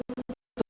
terus terus terus